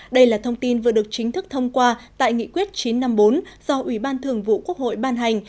đây là thông tin vừa được chính thức thông qua tại nghị quyết chín trăm năm mươi bốn do ủy ban thường vụ quốc hội ban hành